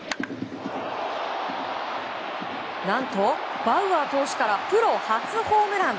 何と、バウアー投手からプロ初ホームラン！